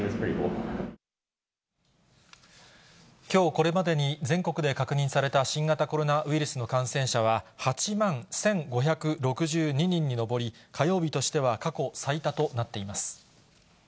きょう、これまでに全国で確認された新型コロナウイルスの感染者は、８万１５６２人に上り、火曜日としては過去最多となっています。